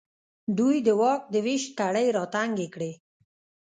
دوی د واک د وېش کړۍ راتنګې کړې.